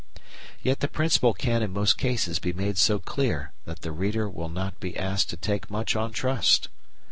Yet the principle can in most cases be made so clear that the reader will not be asked to take much on trust.